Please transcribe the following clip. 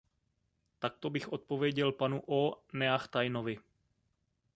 Takto bych odpověděl panu Ó Neachtainovi.